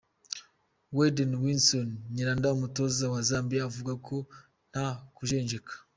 Wedson Witson Nyirenda umutoza wa Zambia avuga ko nta kujenjeka .